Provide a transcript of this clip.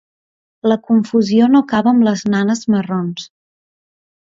La confusió no acaba amb les nanes marrons.